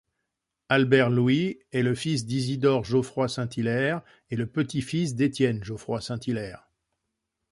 Albert Louis est le fils d'Isidore Geoffroy Saint-Hilaire et le petit-fils d'Étienne Geoffroy Saint-Hilaire.